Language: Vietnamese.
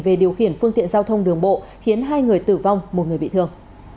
về điều khiển phương tiện giao thông đường bộ khiến hai người tử vong một người bị thương